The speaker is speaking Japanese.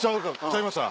ちゃいました？